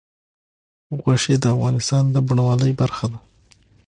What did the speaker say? غوښې د افغانستان د بڼوالۍ برخه ده.